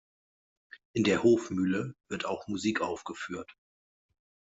In der Hofmühle wird auch Musik aufgeführt.